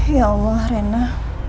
ya allah rina